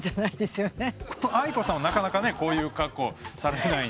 ａｉｋｏさんはなかなかこういう格好されないんで。